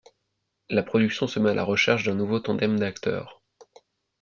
La production se met à la recherche d'un nouveau tandem d'acteurs.